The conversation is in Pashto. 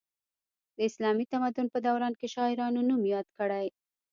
د اسلامي تمدن په دوران کې شاعرانو نوم یاد کړی.